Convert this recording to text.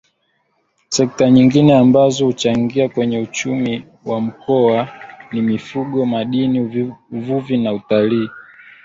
Sekta nyingine ambazo huchangia kwenye uchumi wa Mkoa ni Mifugo Madini Uvuvi na Utalii